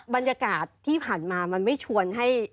บรรยากาศที่ผ่านมามันไม่ชวนให้